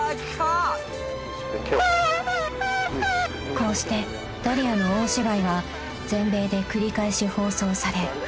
［こうしてダリアの大芝居は全米で繰り返し放送され］